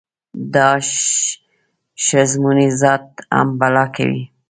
دا ښځمونی ذات هم بلا کوي.